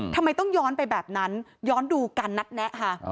ทำไมต้องย้อนไปแบบนั้นย้อนดูการนัดแนะค่ะ